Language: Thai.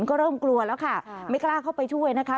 ก็เริ่มกลัวแล้วค่ะไม่กล้าเข้าไปช่วยนะคะ